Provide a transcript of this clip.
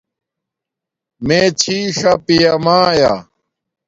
میے چھی ݽآ پیا مایا